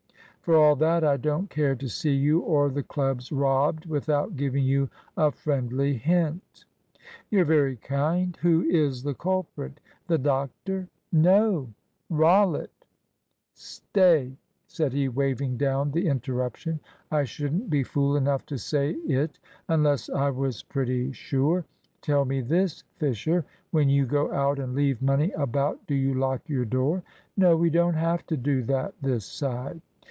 "For all that, I don't care to see you or the clubs robbed without giving you a friendly hint." "You're very kind. Who is the culprit? The doctor?" "No; Rollitt. Stay," said he, waving down the interruption, "I shouldn't be fool enough to say it unless I was pretty sure. Tell me this, Fisher; when you go out and leave money about do you lock your door?" "No. We don't have to do that this side."